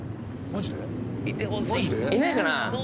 いないかな？